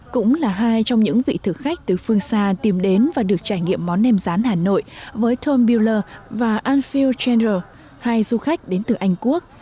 cũng là hai trong những vị thực khách từ phương xa tìm đến và được trải nghiệm món nem rán hà nội với tom bueler và anfield general hai du khách đến từ anh quốc